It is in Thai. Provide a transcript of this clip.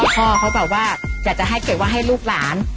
เพราะว่าพ่อจะให้ให้รูปหลาน